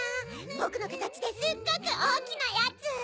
ボクのかたちですっごくおおきなやつ！